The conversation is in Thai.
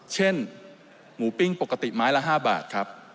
เช่นหมูปิ้งปกติไม้ละ๕บาทครับ